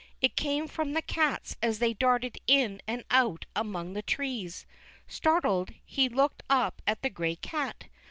It came from tlie cats as they darted in and out among the trees. Startled, he looked up at the gray cat.